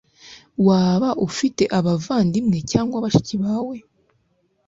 waba ufite abavandimwe cyangwa bashiki bawe